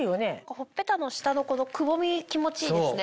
ほっぺたの下のこのくぼみ気持ちいいですね。